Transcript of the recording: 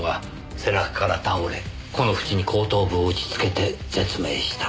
背中から倒れこの縁に後頭部を打ちつけて絶命した。